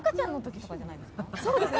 そうですね